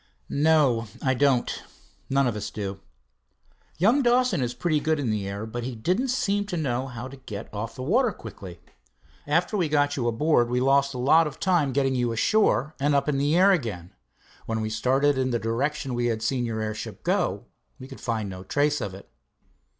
"No, I don't none of us do. Young Dawson is pretty good in the air, but he didn't seem to know how to get off the water quickly. After we got you aboard, we lost a lot of time getting you ashore, and, up in the air again, when we started in the direction we had seen your airship go, we could find no trace of it."